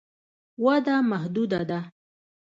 وده محدوده ده.